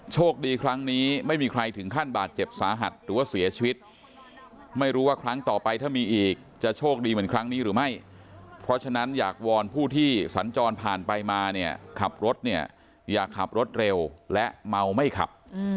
ครั้งนี้ไม่มีใครถึงขั้นบาดเจ็บสาหัสหรือว่าเสียชีวิตไม่รู้ว่าครั้งต่อไปถ้ามีอีกจะโชคดีเหมือนครั้งนี้หรือไม่เพราะฉะนั้นอยากวอนผู้ที่สัญจรผ่านไปมาเนี่ยขับรถเนี่ยอย่าขับรถเร็วและเมาไม่ขับ